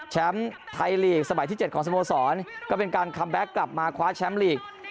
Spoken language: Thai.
ไทยลีกสมัยที่๗ของสโมสรก็เป็นการคัมแบ็คกลับมาคว้าแชมป์ลีก